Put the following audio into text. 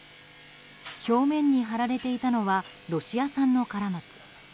表面に貼られていたのはロシア産のカラマツ。